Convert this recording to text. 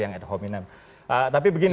yang ad hominem tapi begini